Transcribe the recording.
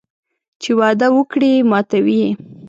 چې وعده وکړي ماتوي یې